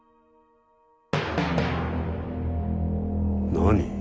何？